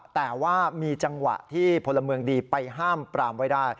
แต่ว่ามีจังหวะที่พลเมืองดีไปห้ามปรามไว้ได้